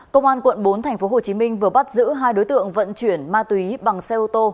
công an quận bốn tp hcm vừa bắt giữ hai đối tượng vận chuyển ma túy bằng xe ô tô